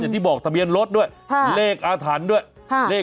อย่างที่บอกทะเบียนรถด้วยฮะเลขอาถรรพ์ด้วยฮะ